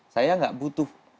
saya nggak butuh